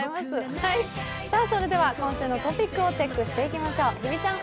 それでは今週のトピックをお伝えしていきましょう。